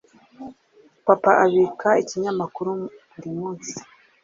Papa abika ikinyamakuru buri munsi.